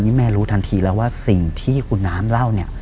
นี่แม่รู้ทันทีแล้วว่าสิ่งที่คุณน้ำเล่าเนี่ย